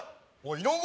井上？